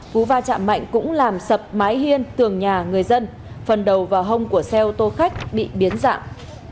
cú va chạm mạnh cũng làm sập mái hiên tường nhà người dân phần đầu vào hông của xe ô tô khách bị biến dạng